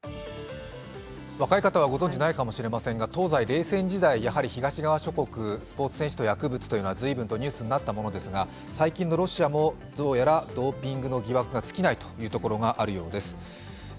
若い方はご存じないかもしれませんが、東西冷戦時代、東側諸国スポーツ問題で随分とニュースになったものですが、最近のロシアもどうやらドーピングの疑惑が尽きないというところがあるようです。